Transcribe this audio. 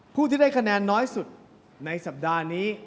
ผู้ที่ได้คะแนนน้อยสุดในสัปดาห์นี้